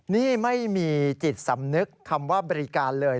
นี่ไม่มีจิตสำนึกคำว่าบริการเลย